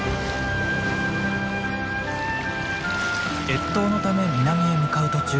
越冬のため南へ向かう途中